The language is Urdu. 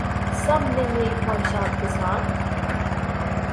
سب نے نیک خواہشات کے ساتھ